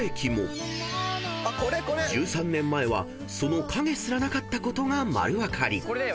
［１３年前はその影すらなかったことが丸分かり］